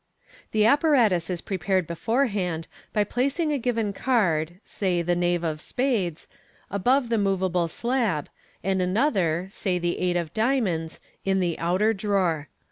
The apparatus is prepared beforehand by placing a given card (say the knave of spades) above the moveable slab, and another (say the eight of diamonds) in the outer drawer.